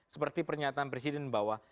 seperti pernyataan presiden bahwa